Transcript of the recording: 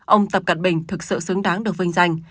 ông tập cận bình thực sự xứng đáng được vinh danh